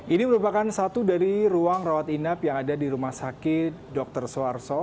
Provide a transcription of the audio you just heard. ini merupakan satu dari ruang rawat inap yang ada di rumah sakit dr suharto